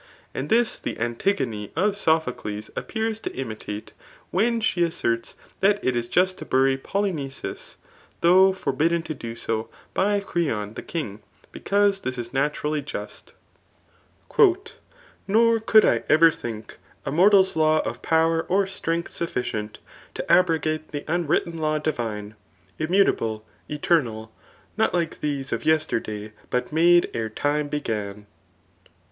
And this th^ Antigone of Sophocles s^>pears to intimate, when sbf asserts that it is just to bury PolyqiceS) though forbiddefi ^to 4o so. [by Creotn the king,] because this is naturally 80 ^UK AftT or MMK I. A aiorttl's law of power or sireagth sufidm^ To abrogate th* nnwritttn law diviney Immauble, demalt not like thete, Of yesterday^ bat made ere tiiiie began.